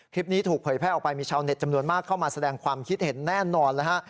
คลิปนี้ถูกเผยแพร่ออกไปมีชาวเน็ตจำนวนมากเข้ามาแสดงความคิดเห็นแน่นอนแล้วฮะ